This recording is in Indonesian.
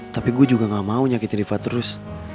tapi gue juga gak mau nyakitin riva terus